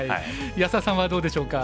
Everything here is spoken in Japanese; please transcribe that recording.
安田さんはどうでしょうか？